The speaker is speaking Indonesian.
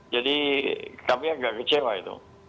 jadi kami agak kecewa itu